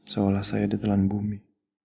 seolah saya ditelan bumi